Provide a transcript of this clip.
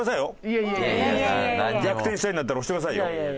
いやいや。逆転したいんだったら押してくださいよ。